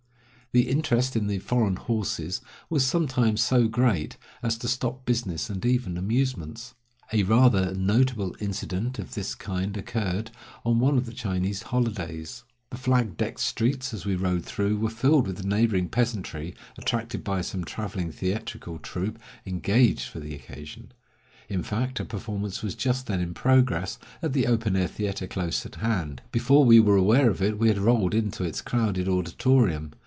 The interest in the "foreign horses" was sometimes so great as to stop business and even amusements. A rather notable incident of this kind occurred on one of the Chinese holidays. The flag decked streets, as we rode through, were filled with the neighboring peasantry, attracted by some traveling theatrical troupe engaged for the occasion. In fact, a performance was just then in progress at the open air theater close at hand. Before we were aware of it we had rolled into its crowded auditorium.